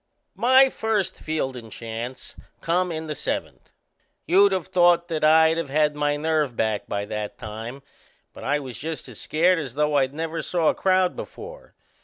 My first fieldin' chance come in the seventh. You'd of thought that I'd of had my nerve back by that time; but I was just as scared as though I'd never saw a crowd before.